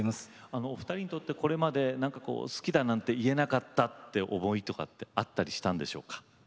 あのお二人にとってこれまで「好きだなんて言えなかった」って思いとかってあったりしたんでしょうか。